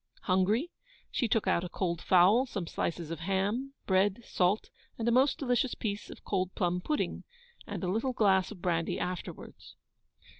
Hungry she took out a cold fowl, some slices of ham, bread, salt, and a most delicious piece of cold plum pudding, and a little glass of brandy afterwards.